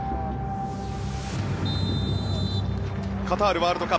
カタール